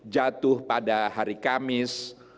jatuh pada hari kamis